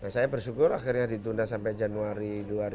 saya bersyukur akhirnya ditunda sampai januari dua ribu dua puluh